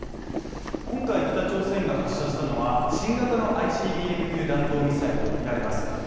今回、北朝鮮が発射したのは新型ＩＣＢＭ級弾道ミサイルとみられます。